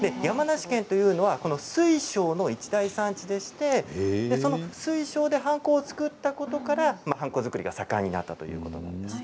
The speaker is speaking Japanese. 山梨県というのはこの水晶の一大産地でして水晶で、はんこを作ったことからはんこ作りが盛んになったといいます。